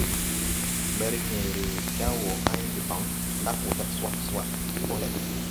Mberhẽẽre da wɔ ãy debaŋ, lag wɔ jag swa swa ti hɔɔlɛ.